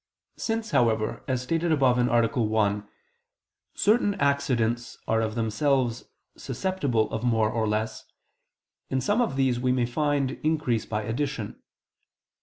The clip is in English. Since, however, as stated above (A. 1), certain accidents are of themselves susceptible of more or less, in some of these we may find increase by addition.